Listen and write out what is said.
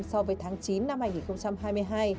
so với tháng chín năm hai nghìn hai mươi hai